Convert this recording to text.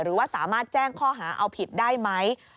หรือว่าสามารถแจ้งข้อหาเอาผิดได้ไหม